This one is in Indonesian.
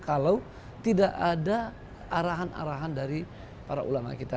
kalau tidak ada arahan arahan dari para ulama kita